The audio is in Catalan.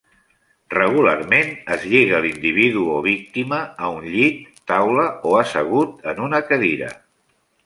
Regularment es lliga l'individu o víctima a un llit, taula o assegut en una cadira.